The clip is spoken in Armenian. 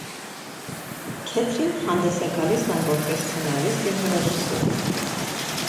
Քեթրին հանդես է գալիս, նաև որպես սցենարիստ և ռեժիսոր։